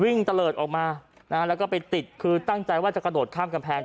ตะเลิศออกมานะฮะแล้วก็ไปติดคือตั้งใจว่าจะกระโดดข้ามกำแพง